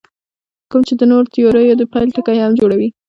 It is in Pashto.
کوم چې د نورو تیوریو د پیل ټکی هم جوړوي.